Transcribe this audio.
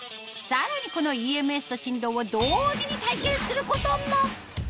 さらにこのＥＭＳと振動を同時に体験することも！